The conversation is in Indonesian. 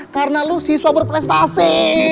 karena lo siswa berprestasi